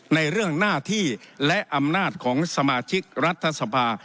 ในเรื่องหน้าที่และอำนาจของสมาชิกรัฐสภา